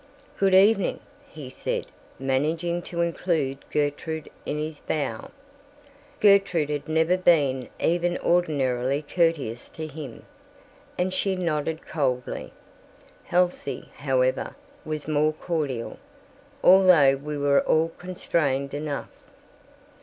"Good evening," he said, managing to include Gertrude in his bow. Gertrude had never been even ordinarily courteous to him, and she nodded coldly. Halsey, however, was more cordial, although we were all constrained enough.